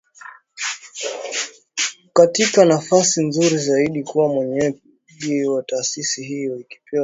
katika nafasi nzuri zaidi kuwa mwenyeji wa taasisi hiyo ikipewa asilimia themanini na sita